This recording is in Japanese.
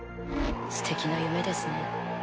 すてきな夢ですね。